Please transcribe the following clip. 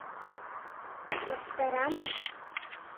— Корштара мо?